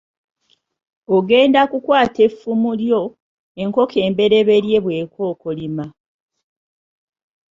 Ogenda kukwata effumu lyo, enkoko embereberye bw’ekookolima.